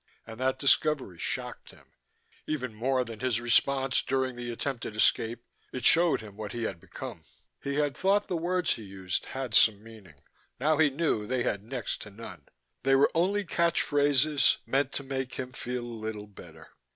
And that discovery shocked him: even more than his response during the attempted escape, it showed him what he had become. He had thought the words he used had some meaning. Now he knew they had next to none: they were only catch phrases, meant to make him feel a little better.